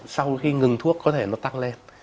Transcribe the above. sau khi ngừng thuốc có thể nó tăng lên